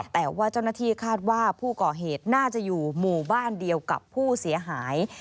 แต่ว่าเจ้าหน้าที่คาดว่าผู้ก่อเหตุน่าจะอยู่หมู่บ้านเดียวกับผู้เสียหาย